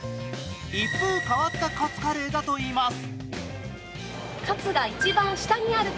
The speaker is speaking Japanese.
一風変わったカツカレーだといいます。